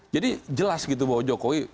jadi jelas gitu bahwa jokowi